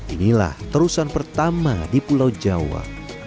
inilah terusan pertama di pulau jawa